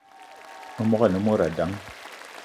Memogo ane mod dang